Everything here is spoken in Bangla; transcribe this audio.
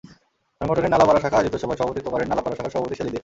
সংগঠনের নালাপাড়া শাখা আয়োজিত সভায় সভাপতিত্ব করেন নালাপাড়া শাখার সভাপতি শেলী দে।